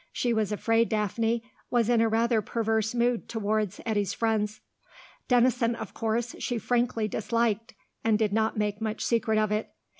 She was afraid Daphne was in a rather perverse mood towards Eddy's friends. Denison, of course, she frankly disliked, and did not make much secret of it.